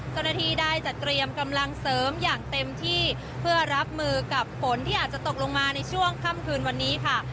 เจ้าหน้าที่ได้จัดเตรียมกำลังเสริมอย่างเต็มที่เพื่อรับมือกับฝนที่อาจจะตกลงมาในช่วงค่ำคืนวันนี้ค่ะ